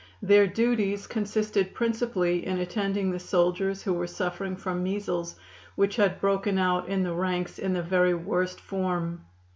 Their duties consisted principally in attending the soldiers who were suffering from measles, which had broken out in the ranks in the very worst form.